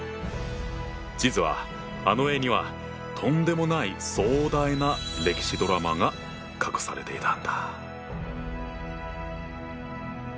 実はあの絵にはとんでもない壮大な歴史ドラマが隠されていたんだ。